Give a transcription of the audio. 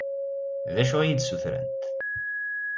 D acu i yi-d-ssutrent?